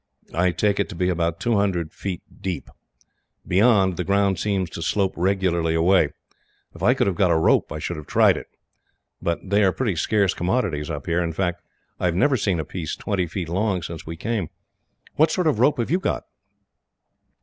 I take it to be about two hundred feet deep. Beyond, the ground seems to slope regularly away. If I could have got a rope I should have tried it, but they are pretty scarce commodities up here in fact, I have never seen a piece twenty feet long since we came. What sort of rope have you got?"